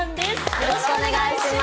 よろしくお願いします。